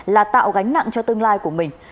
là tạo gánh nặng cho tương lai của mình